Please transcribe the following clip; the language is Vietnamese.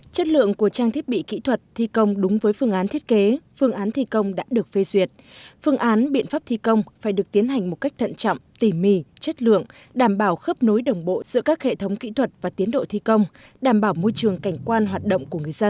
chất lượng của trang thiết bị kỹ thuật thi công đúng với phương án thiết kế phương án thi công đã được phê duyệt phương án biện pháp thi công phải được tiến hành một cách thận chậm tỉ mì chất lượng đảm bảo khớp nối đồng bộ giữa các hệ thống kỹ thuật và tiến độ thi công đảm bảo môi trường cảnh quan hoạt động của người dân